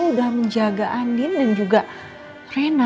udah menjaga andin dan juga reina